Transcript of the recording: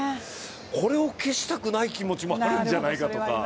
これを消したくない気持ちもあるんじゃないかとか。